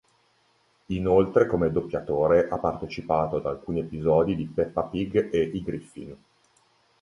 Inoltre come doppiatore ha partecipato ad alcuni episodi di "Peppa Pig" e "I Griffin".